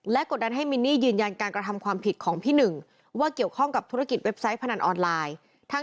และกดดันให้มินนี่ยืนยันการกระทำความผิดของพี่หนึ่งว่าเกี่ยวข้องกับธุรกิจเว็บไซต์พนันออนไลน์